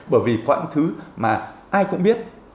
bởi vì có những thứ mà ai cũng biết